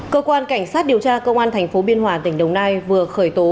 cơ quan cảnh sát điều tra công an tp hcm tỉnh đồng nai vừa khởi tố